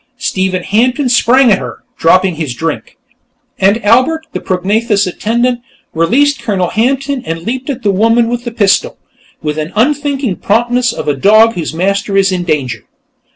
Stephen Hampton sprang at her, dropping his drink. And Albert, the prognathous attendant, released Colonel Hampton and leaped at the woman with the pistol, with the unthinking promptness of a dog whose master is in danger.